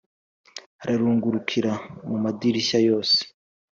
ararungurukira mu madirishya yose